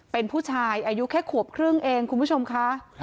เป็นผู้ชายอายุแค่ขวบครึ่งเองคุณผู้ชมค่ะ